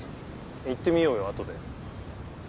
行ってみようよ後で。